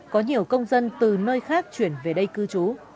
có nhiều công dân từ nơi khác chuyển về đây cư trú